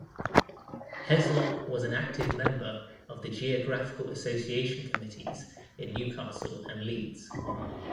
Heslop was an active member of the Geographical Association committees in Newcastle and Leeds.